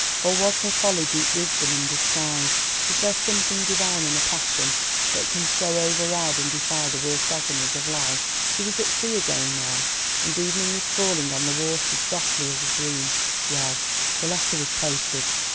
Or was her folly deep wisdom in disguise?—is there something divine in a passion that can so override and defy the worst agonies of life? She was at sea again now, and evening was falling on the waters softly as a dream. Well, the letter was posted.